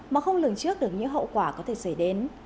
mà không lường trước được những hậu quả có thể xảy đến